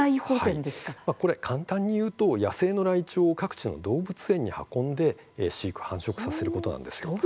簡単に言うと野生のライチョウを各地の動物園に運んで飼育繁殖させることです。